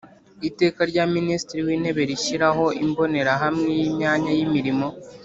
Iteka rya Minisitiri w Intebe rishyiraho imbonerahamwe y imyanya yimirimo